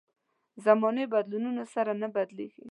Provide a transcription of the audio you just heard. زمانې بدلونونو سره نه بدلېږي.